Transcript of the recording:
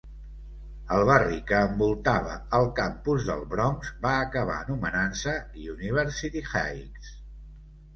El barri que envoltava el campus del Bronx va acabar anomenant-se University Heights.